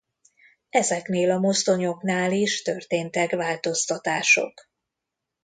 Ezeknél a mozdonyoknál is történtek változtatások.